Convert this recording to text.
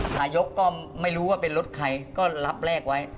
นายกก็ไม่รู้ว่าเป็นรถใครก็รับแรกไว้